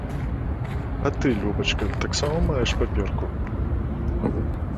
А ты, любачка, таксама маеш паперку?